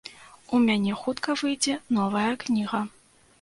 У мяне хутка выйдзе новая кніга.